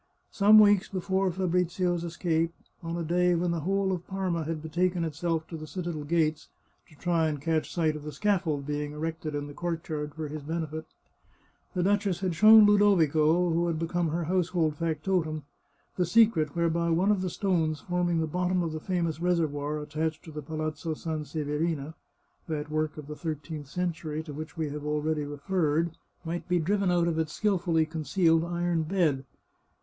Some weeks before Fabrizio's escape, on a day when the whole of Parma had betaken itself to the citadel gates to try and catch sight of the scaffold being erected in the courtyard for his benefit, the duchess had shown Ludovico, who had become her household factotum, the secret whereby one of the stones forming the bottom of the famous reservoir attached to the Palazzo Sanseverina, that work of the thirteenth cen tury to which we have already referred, might be driven out of its skilfully concealed iron bed.